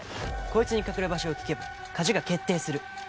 こいつに隠れ場所を聞けば勝ちが決定する。